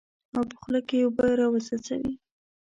او په خوله کې اوبه راوڅڅوي.